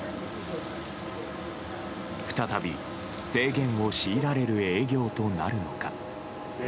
再び制限を強いられる営業となるのか。